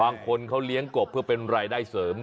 บางคนเขาเลี้ยงกบเพื่อเป็นรายได้เสริม